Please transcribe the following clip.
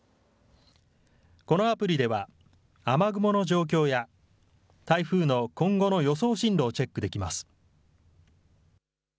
このアプリでは雨雲の状況や台風の今後の予想進路をチェックできます。